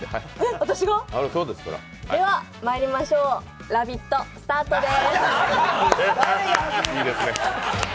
わたしが？ではまいりましょう「ラヴィット！」スタートです。